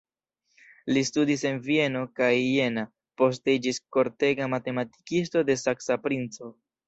Li studis en Vieno kaj Jena, poste iĝis kortega matematikisto de saksa princo.